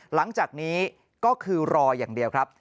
หลังจากนี้ก็คือรออย่างเดียวครับ